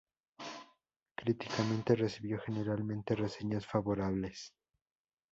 Críticamente, recibió generalmente reseñas favorables.